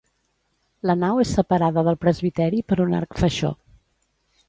La nau és separada del presbiteri per un arc faixó.